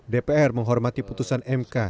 dpr menghormati putusan mk